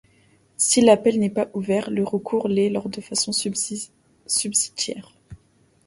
Si l'appel n'est pas ouvert, le recours l'est alors de façon subsidiaire.